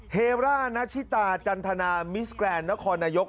เฮร่านาชิตาจันทนามิสแกรนด์นครนายก